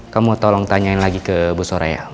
kamu tolong tanyain lagi ke bu soraya